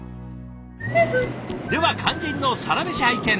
では肝心のサラメシ拝見。